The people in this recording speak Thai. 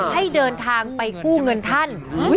ให้เดินทางไปกู้เงินท่าน